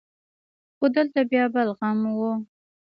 خو دلته بيا بل غم و.